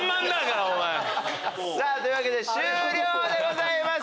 というわけで終了でございます。